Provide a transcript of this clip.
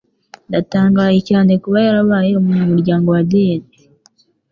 Ndatangaye cyane kuba yarabaye umunyamuryango wa Diet.